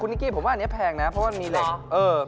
คะนิกี้ผมว่าอันนี้แพงนะเพราะมีเหล็ก